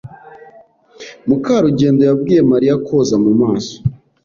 Mukarugendo yabwiye Mariya koza mu maso.